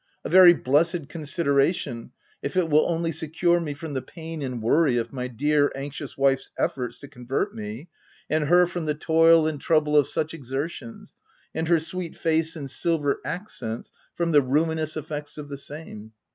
A very blessed consideration, if it will only secure me from the pain and worry of my dear, anxious wife's efforts to convert me, and her from the toil and trouble of such exertions, and her sweet face and silver accents from the ruinous effects of the same.